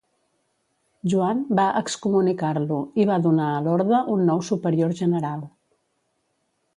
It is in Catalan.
Joan va excomunicar-lo i va donar a l'orde un nou superior general.